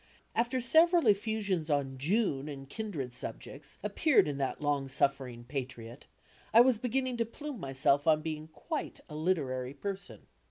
After several effusions on ' 'June' ' and kindred subjects appeared in that long suffering Patriot , I was begin ning to plume myself on being quite a literary person.